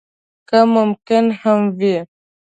که ممکن هم وي.